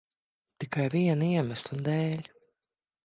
Tikai viena iemesla dēļ.